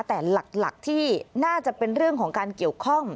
แต่หลักที่น่าจะเป็นเรื่องของการเกี่ยวข้อง